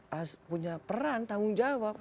harus punya peran tanggung jawab